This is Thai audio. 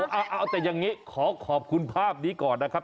เอาแต่อย่างนี้ขอขอบคุณภาพนี้ก่อนนะครับ